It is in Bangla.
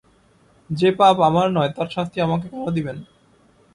যে পাপ আমার নয় তার শাস্তি আমাকে কেন দিবেন?